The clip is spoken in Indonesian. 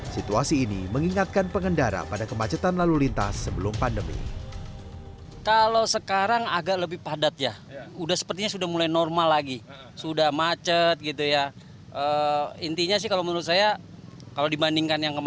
situasi ini mengingatkan pengendara pada kemacetan lalu lintas sebelum pandemi